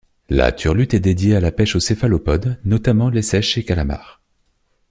La turlutte est dédiée à la pêche aux céphalopodes, notamment les seiches et calmars.